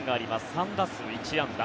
３打数１安打。